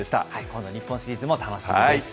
今度の日本シリーズも楽しみです。